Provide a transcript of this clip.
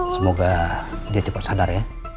semoga dia cepat sadar ya